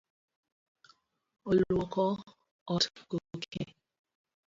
Oluoko ot gokinyi.